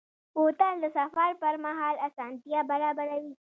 بوتل د سفر پر مهال آسانتیا برابروي.